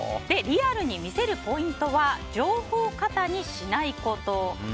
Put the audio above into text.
リアルに見せるポイントは情報過多にしないこと。